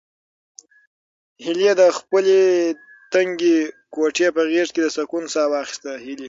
هیلې د خپلې تنګې کوټې په غېږ کې د سکون ساه واخیسته.